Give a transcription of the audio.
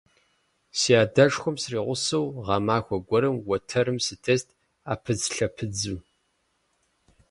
Си адэшхуэм сригъусэу, гъэмахуэ гуэрым уэтэрым сытест Ӏэпыдзлъэпыдзу.